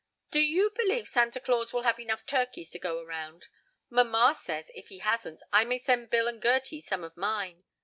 "Do you believe Santa Claus will have enough turkeys to go around? Mamma says, if he hasn't, I may send Bill and Gerty some of mine.